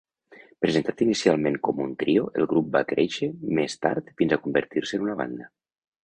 Presentat inicialment com un trio, el grup va créixer més tard fins a convertir-se en una banda.